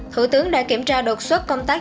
thủ tướng đã kiểm tra đột xuất công tác